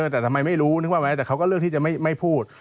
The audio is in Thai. แต่ทำไมไม่รู้นึกว่าไหมแต่เขาก็เลือกที่จะไม่พูด